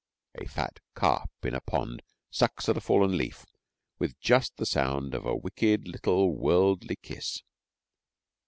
A fat carp in a pond sucks at a fallen leaf with just the sound of a wicked little worldly kiss.